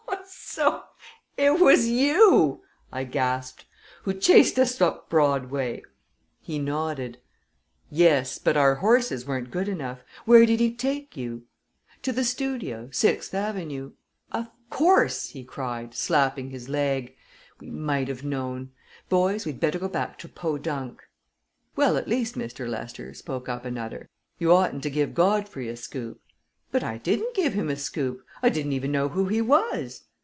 "So it was you," I gasped, "who chased us up Broadway?" He nodded. "Yes; but our horses weren't good enough. Where did he take you?" "To the Studio Sixth Avenue." "Of course!" he cried, slapping his leg. "We might have known. Boys, we'd better go back to Podunk." "Well, at least, Mr. Lester," spoke up another, "you oughtn't to give Godfrey a scoop." "But I didn't give him a scoop. I didn't even know who he was."